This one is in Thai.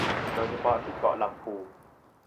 โดยเฉพาะที่เกาะลำพู